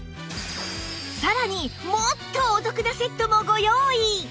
さらにもっとお得なセットもご用意！